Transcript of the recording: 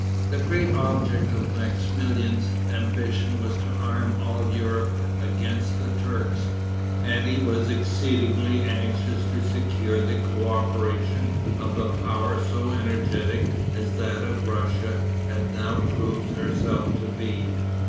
The great object of Maximilian's ambition was to arm all Europe against the Turks; and he was exceedingly anxious to secure the coöperation of a power so energetic as that of Russia had now proved herself to be.